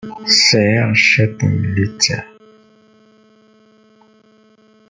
Sriɣ cwiṭ n littseɛ.